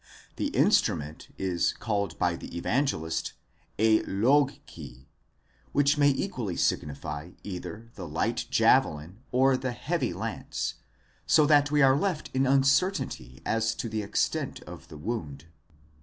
The instrument is called by the Evangelist a λόγχη, which may equally signify either the light javelin or the heavy. lance ; so that we are left in uncertainty as to the extent of the wound.